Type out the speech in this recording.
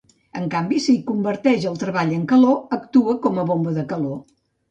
En canvi, si converteix el treball en calor, actua com a bomba de calor.